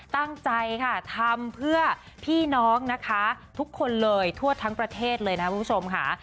ตั้งใจค่ะทำเพื่อพี่น้องนะคะทุกคนเลยทั่วทั้งประเทศเลยนะคุณผู้ชมค่ะ